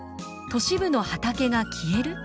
「都市部の畑が消える！？